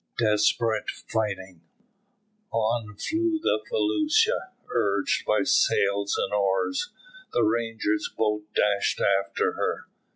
DESPERATE FIGHTING. On flew the felucca, urged by sails and oars. The Ranger's boat dashed after her.